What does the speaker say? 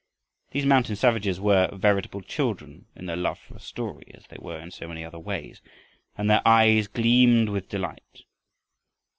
These mountain savages were veritable children in their love for a story, as they were in so many other ways, and their eyes gleamed with delight.